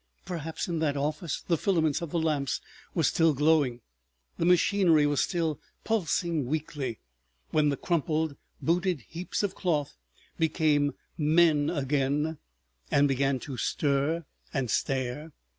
Perhaps in that office the filaments of the lamps were still glowing, the machinery was still pulsing weakly, when the crumpled, booted heaps of cloth became men again and began to stir and stare.